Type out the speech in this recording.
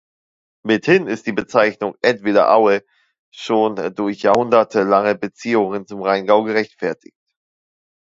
Mithin ist die Bezeichnung "Eltviller Aue" schon durch jahrhundertelange Beziehungen zum Rheingau gerechtfertigt.